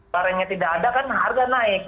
barangnya tidak ada kan harga naik